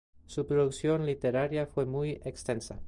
Su producción literaria fue muy extensa.